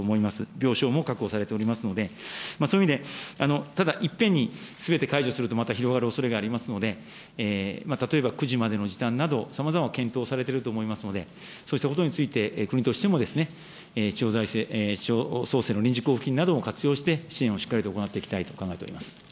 病床も確保されておりますので、そういう意味で、ただいっぺんにすべて解除すると広がるおそれがありますので、例えば９時までの時短など、さまざまな検討をされていると思いますので、そうしたことについて、国としても地方創生の臨時交付金なども活用して、支援をしっかりと行っていきたいと考えております。